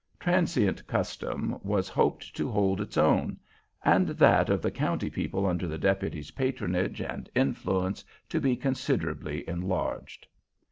Transient custom was hoped to hold its own, and that of the county people under the deputy's patronage and influence to be considerably enlarged.